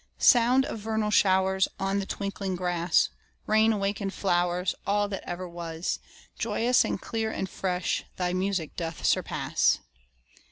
Sound of vernal showers On the twinkling grass, Rain awaken'd flowers, All that ever was, Joyous and clear and fresh, thy music doth surpass.